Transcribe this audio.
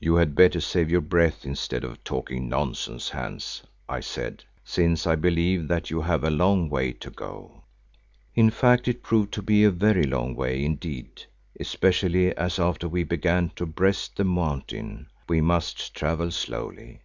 "You had better save your breath instead of talking nonsense, Hans," I said, "since I believe that you have a long way to go." In fact, it proved to be a very long way indeed, especially as after we began to breast the mountain, we must travel slowly.